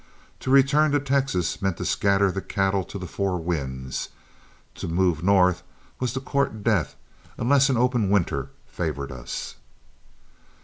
To return to Texas meant to scatter the cattle to the four winds; to move north was to court death unless an open winter favored us.